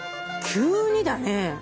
急にだね。